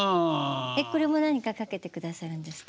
これも何かかけてくださるんですか？